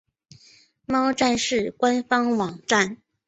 猫战士官方网站